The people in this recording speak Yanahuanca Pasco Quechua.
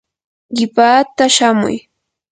qipaata shamuy.